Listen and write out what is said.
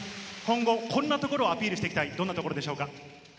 今後、こんなところをアピールしていきたい、どんなところでしょうか？